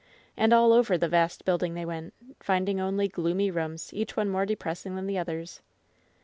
And all over the vast build ing they went, finding only gloomy rooms, each one more depressing than the others.